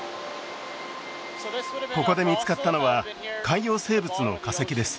ここで見つかったのは海洋生物の化石です